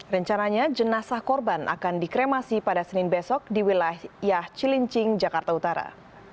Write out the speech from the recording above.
rencananya jenazah korban akan dikremasi pada senin besok di wilayah yah cilincing jakarta utara